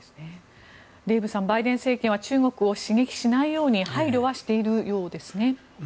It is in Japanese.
デーブさんバイデン政権は中国を刺激しないように配慮はしているようですね。